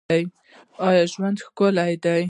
آیا ژوند ښکلی دی؟